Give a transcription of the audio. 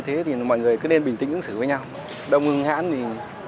tất cả mọi người chứng kiến bạn ấy bảo là không làm sao hết